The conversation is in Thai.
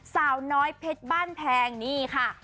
สาวน้อยเพชรบ้านแพงนี่ค่ะ